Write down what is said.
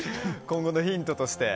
今後のヒントとして？